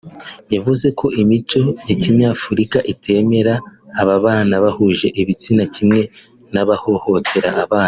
yavuze ko imico ya kinyafurika itemera ababana bahuje ibitsina kimwe n’abahohotera abana